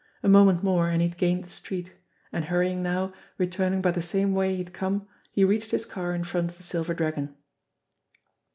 A moment more, and he had gained the street ; and, hurrying now, re turning by the same way he had come, he reached his car in front of the Silver Dragon.